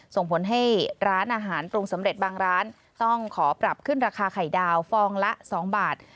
ส่งผลให้ร้านอาหารปรุงสำเร็จบางร้านต้องขอปรับขึ้นราคาไข่ดาวฟองละ๒บาท